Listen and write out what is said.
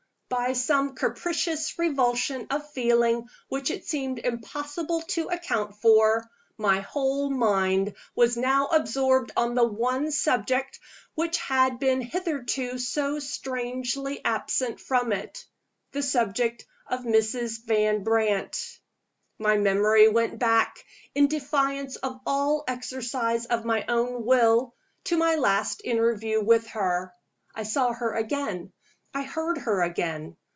By some capricious revulsion of feeling which it seemed impossible to account for, my whole mind was now absorbed on the one subject which had been hitherto so strangely absent from it the subject of Mrs. Van Brandt! My memory went back, in defiance of all exercise of my own will, to my last interview with her. I saw her again; I heard her again.